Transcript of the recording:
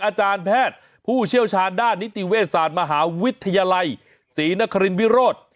อาจารย์แพทย์ผู้เชี่ยวชาญด้านนิติเวชศาสตร์มหาวิทยาลัยศรีนครินวิโรธ